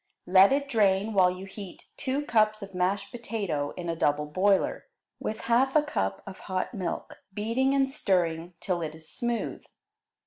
Let it drain while you heat two cups of mashed potato in a double boiler, with half a cup of hot milk, beating and stirring till it is smooth.